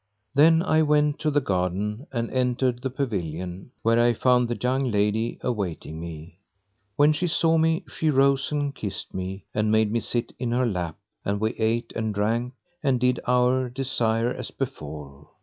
Then I went to the garden and entered the pavilion, where I found the young lad, awaiting me. When she saw me, she rose and kissed me and made me sit in her lap; and we ate and drank and did our desire as before.